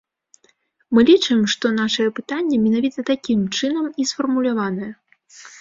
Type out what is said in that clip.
Мы лічым, што нашае пытанне менавіта такім чынам і сфармуляванае.